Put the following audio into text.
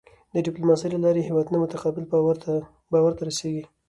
د ډیپلوماسی له لارې هېوادونه متقابل باور ته رسېږي.